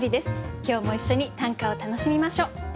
今日も一緒に短歌を楽しみましょう。